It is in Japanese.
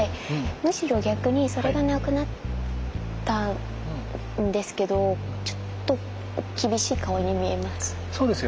むしろ逆にそれがなくなったんですけどちょっと厳しい顔に見えます。